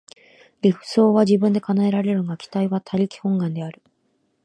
理想は自分で叶えられるが、期待は他力本願である。